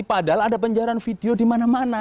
padahal ada penjarahan video di mana mana